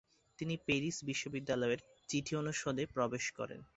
তিনি প্যারিস বিশ্ববিদ্যালয়ের চিঠি অনুষদে প্রবেশ করেন।